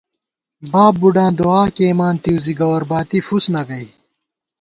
باب بُڈاں دُعا کېئیمانتِؤ زی گوَر باتی فُس نَہ گَئی